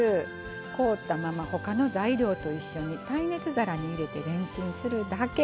凍ったままほかの材料と一緒に耐熱皿に入れてレンチンするだけ。